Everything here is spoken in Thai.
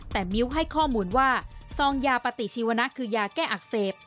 แต่มิ้วให้ข้อมูลว่าซองยาปฏิชีวนะคือยาแก้อักเสบ